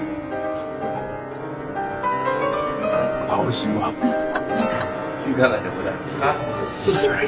いかがでございますか？